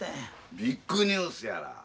ビッグニュースやら。